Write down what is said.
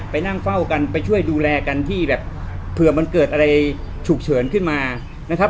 ไปนั่งเฝ้ากันไปช่วยดูแลกันที่แบบเผื่อมันเกิดอะไรฉุกเฉินขึ้นมานะครับ